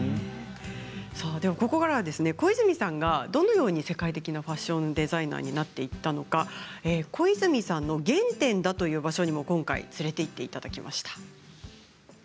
ここからは小泉さんがどのように世界的なファッションデザイナーになっていったのか小泉さんの原点だという場所にも今回連れて行っていただきました。